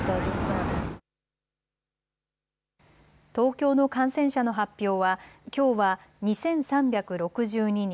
東京の感染者の発表は、きょうは２３６２人。